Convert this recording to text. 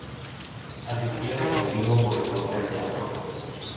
Asistía de continuo por la noche al teatro.